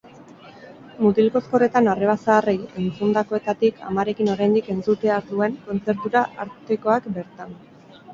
Mutil kozkorretan arreba zaharrei entzundakoetatik amarekin oraindik entzutear duen kontzertura artekoak bertan.